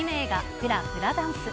フラ・フラダンス。